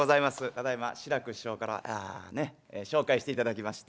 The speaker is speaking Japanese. ただいま志らく師匠から紹介していただきました